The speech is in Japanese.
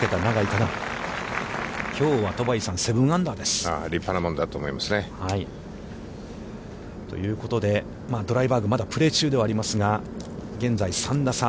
立派なもんだと思いますね。ということで、ドライバーグ、まだプレー中ではありますが、現在３打差。